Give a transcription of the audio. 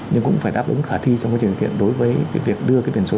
nhưng cũng phải đáp ứng khả thi trong quá trình thực hiện đối với cái việc đưa cái biển số